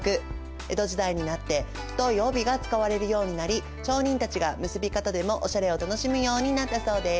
江戸時代になって太い帯が使われるようになり町人たちが結び方でもおしゃれを楽しむようになったそうです。